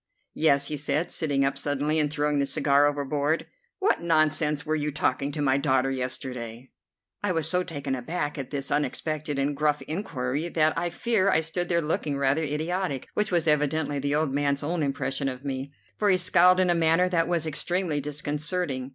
"Yes," he said, sitting up suddenly and throwing the cigar overboard. "What nonsense were you talking to my daughter yesterday?" I was so taken aback at this unexpected and gruff inquiry that I fear I stood there looking rather idiotic, which was evidently the old man's own impression of me, for he scowled in a manner that was extremely disconcerting.